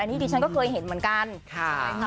อันนี้ดิฉันก็เคยเห็นเหมือนกัน